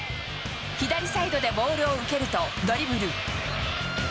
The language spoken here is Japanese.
左サイドでボールを受けると、ドリブル。